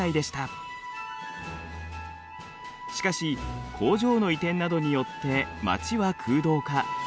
しかし工場の移転などによって町は空洞化。